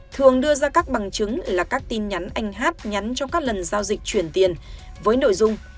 thường đưa ra các bằng chứng là các tin nhắn anh hát nhắn trong các lần giao dịch chuyển tiền với nội dung